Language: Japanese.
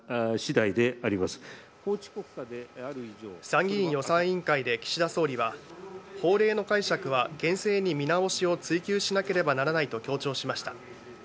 参議院予算委員会で岸田総理は法令の解釈は厳正に見直しを追求しなければならないと強調しました。